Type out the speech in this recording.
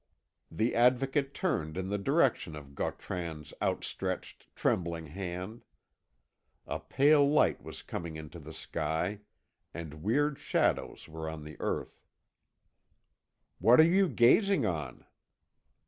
The Advocate turned in the direction of Gautran's outstretched trembling hand. A pale light was coining into the sky, and weird shadows were on the earth. "What are you gazing on?"